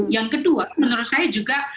yang kedua menurut saya juga